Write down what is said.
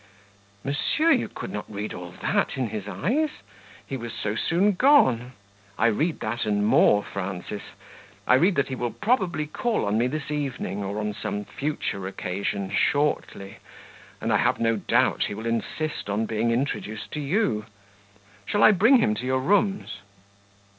'" "Monsieur, you could not read all that in his eyes; he was so soon gone." "I read that and more, Frances; I read that he will probably call on me this evening, or on some future occasion shortly; and I have no doubt he will insist on being introduced to you; shall I bring him to your rooms?"